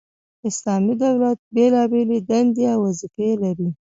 اسلامي دولت بيلابېلي دندي او وظيفي لري،